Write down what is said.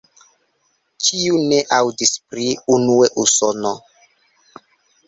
Kiu ne aŭdis pri "Unue Usono"?